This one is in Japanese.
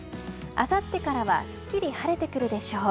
あさってからはすっきり晴れてくるでしょう。